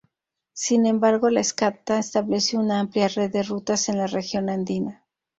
Sin embargo, la Scadta estableció una amplia red de rutas en la región Andina.